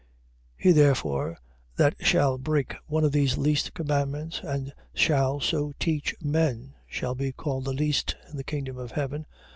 He therefore that shall break one of these least commandments, and shall so teach men shall be called the least in the kingdom of heaven.